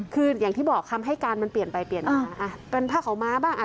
คืออย่างที่บอกคำให้การมันเปลี่ยนไปเปลี่ยนมาเป็นผ้าขาวม้าบ้างอ่ะ